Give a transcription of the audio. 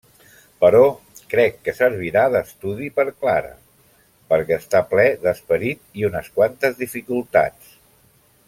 Però crec que servirà d'estudi per Clara; perquè està ple d'esperit i unes quantes dificultats.